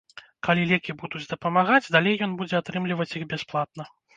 Калі лекі будуць дапамагаць, далей ён будзе атрымліваць іх бясплатна.